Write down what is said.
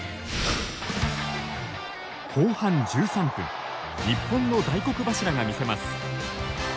後半１３分日本の大黒柱が見せます。